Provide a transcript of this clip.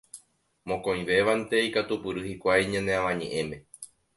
Mokõivévante ikatupyry hikuái ñane Avañe'ẽme.